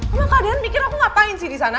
emang kak dean mikir aku ngapain sih disana